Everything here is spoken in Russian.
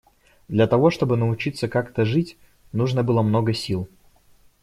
Для того чтобы научиться как-то жить, нужно было много сил.